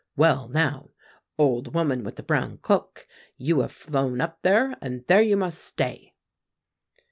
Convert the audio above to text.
Well now, old woman with the brown cloak, you have flown up there, and there you must stay.